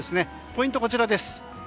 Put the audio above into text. ポイント、こちらです。